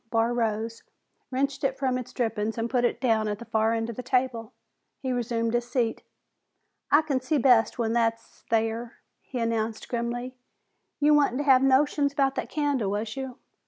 Barr rose, wrenched it from its drippings and put it down at the far end of the table. He resumed his seat. "I can see best when hit's thar," he announced grimly. "You wa'nt havin' notions 'bout that candle, was you?"